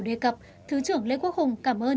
đề cập thứ trưởng lê quốc hùng cảm ơn